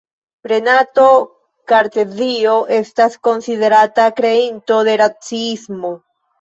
Renato Kartezio estas konsiderata kreinto de raciismo.